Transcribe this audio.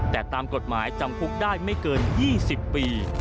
แต่ตามกฎหมายจำคุกได้ไม่เกิน๒๐ปี